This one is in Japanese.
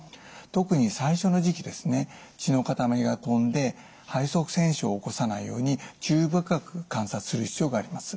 特に最初の時期ですね血の塊がとんで肺塞栓症を起こさないように注意深く観察する必要があります。